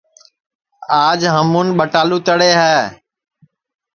آج ہمون ٻٹالو تݪے ہے